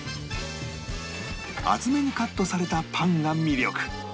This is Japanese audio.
厚めにカットされたパンが魅力